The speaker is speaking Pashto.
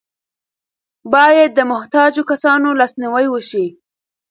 باید د محتاجو کسانو لاسنیوی وشي.